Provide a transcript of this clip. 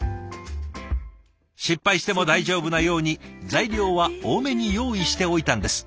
失敗しても大丈夫なように材料は多めに用意しておいたんです。